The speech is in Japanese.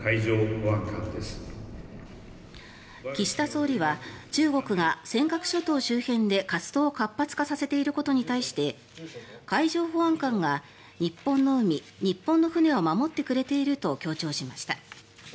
岸田総理は中国が尖閣諸島周辺で活動を活発化させていることに対して海上保安官が日本の海、日本の船を守ってくれていると強調しました。